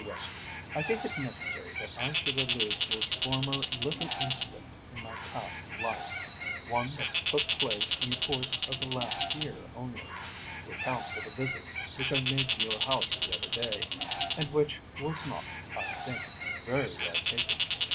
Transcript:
WESTERN, I think it is necessary that I should allude to a former little incident in my past life, one that took place in the course of the last year only, to account for the visit which I made to your house the other day, and which was not, I think, very well taken.